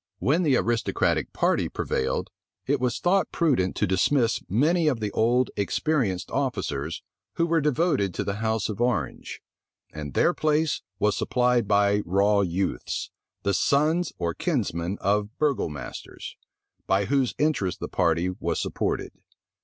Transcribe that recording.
When the aristocratic party prevailed, it was thought prudent to dismiss many of the old, experienced officers, who were devoted to the house of Orange; and their place was supplied by raw youths, the sons or kinsmen of burgomasters, by whose interest the party was supported.